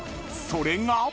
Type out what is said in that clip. それが］